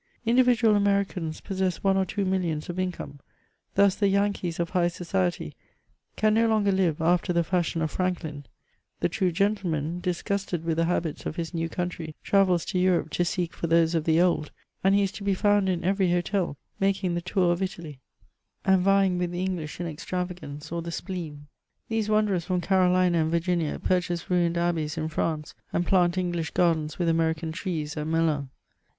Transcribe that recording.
Individual Americans pos sess one or two millions of income ; thus the Yankees of high sodety can no longer live after the fashion of Fi anklin : the true genUeman, disgusted with the habits of his new country, travels to Europe to seek for those of the old; and he is to be found in every hotel, making the tour of Italy, and vying with the English in extravagance or the spleen. These wanaerers from Carolina and Virginia purchase ruined abbeys in France, and plant English gardens with American trees at Melun.